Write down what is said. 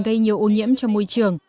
gây nhiều ô nhiễm cho môi trường